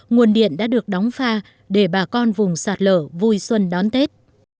nguồn điện đã được đóng pha để bà con vùng sạt lở vui xuân đón tết